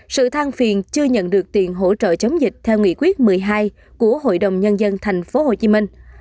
năm sự than phiền chưa nhận được tiền hỗ trợ chống dịch theo nghị quyết một mươi hai của hội đồng nhân dân tp hcm